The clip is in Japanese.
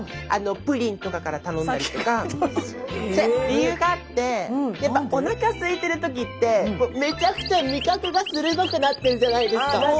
理由があってやっぱおなかすいてる時ってめちゃくちゃ味覚が鋭くなってるじゃないですか。